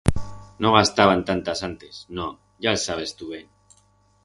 No gastábam tantas antes, no, ya el sabes tu ben.